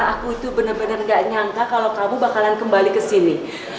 aku itu bener bener gak nyangka kalau kamu bakalan kembali kesini